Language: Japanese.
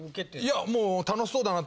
いやもう楽しそうだなと思って。